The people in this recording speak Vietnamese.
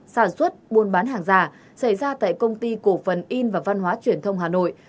sản xuất buôn bán hàng giả xảy ra tại công ty cổ phần in và văn hóa truyền thông hà nội